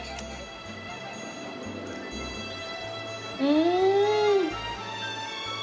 うん！